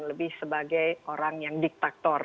lebih sebagai orang yang diktator